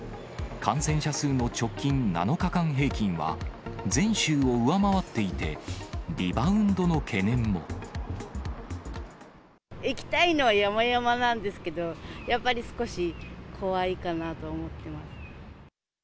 感染者数の直近７日間平均は、前週を上回っていて、行きたいのはやまやまなんですけど、やっぱり少し怖いかなと思ってます。